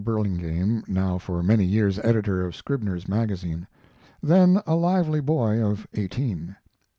Burlingame, now for many years editor of Scribner's Magazine.] then a lively boy of eighteen.